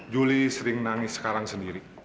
juli sering nangis sekarang sendiri